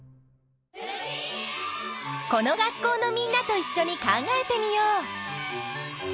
この学校のみんなといっしょに考えてみよう！